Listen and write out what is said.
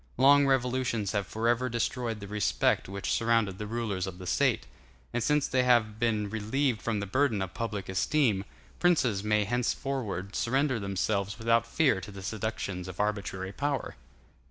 Long revolutions have forever destroyed the respect which surrounded the rulers of the State; and since they have been relieved from the burden of public esteem, princes may henceforward surrender themselves without fear to the seductions of arbitrary power.